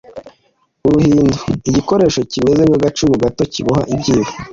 Uruhindu: Igikoresho kimeze nk'agacumu gato kiboha ibyibo.